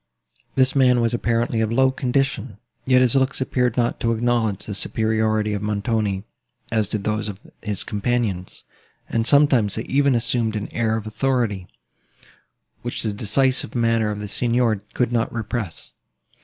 This man was apparently of low condition; yet his looks appeared not to acknowledge the superiority of Montoni, as did those of his companions; and sometimes they even assumed an air of authority, which the decisive manner of the Signor could not repress.